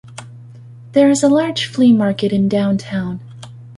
There is a large flea market in downtown.